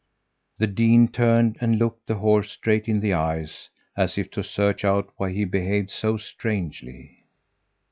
The dean turned and looked the horse straight in the eyes, as if to search out why he behaved so strangely.